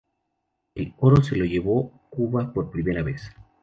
El oro se lo llevó Cuba por primera vez.